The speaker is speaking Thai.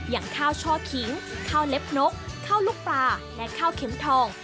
อย่างข้าวช่อขิงข้าวเล็บนกข้าวลูกปลาและข้าวเข็มทอง